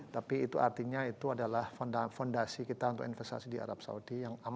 tapi itu artinya itu adalah fondasi kita untuk investasi di arab saudi yang aman gitu ya